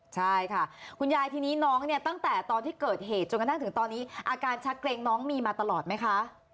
ใช่ค่ะคุณยายทีนี้น้องเนี่ยตั้งแต่ตอนที่เกิดเหตุจนกระทั่งถึงตอนนี้อาการชักเกรงน้องมีมาตลอดไหมคะ